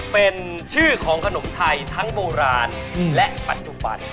เป็นชื่อของขนมไทยทั้งโบราณและปัจจุบัน